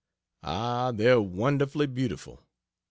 Ah, they're wonderfully beautiful!